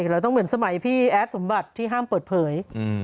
เราต้องเหมือนสมัยพี่แอดสมบัติที่ห้ามเปิดเผย